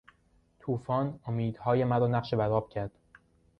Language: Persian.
توفان امیدهای مرا نقش بر آب کرد.